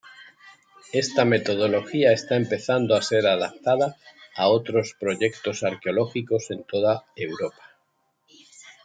Esta metodología está empezando a ser adaptada a otros proyectos arqueológicos en toda Europa.